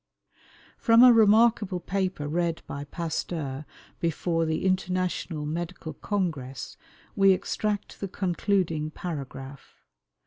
From a remarkable paper read by Pasteur before the International Medical Congress we extract the concluding paragraph.